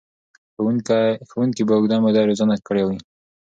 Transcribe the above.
ښوونکي به اوږده موده روزنه کړې وي.